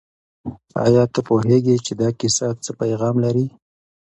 آیا ته پوهېږې چې دا کیسه څه پیغام لري؟